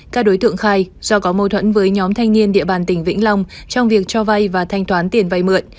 các đối tượng khai do có mâu thuẫn với nhóm thanh niên địa bàn tỉnh vĩnh long trong việc cho vay và thanh toán tiền vay mượn